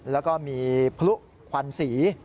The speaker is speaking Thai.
แล้วก็มีพลุควันสี